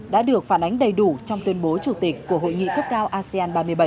đã được phản ánh đầy đủ trong tuyên bố chủ tịch của hội nghị cấp cao asean ba mươi bảy